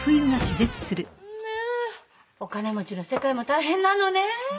お金持ちの世界も大変なのね。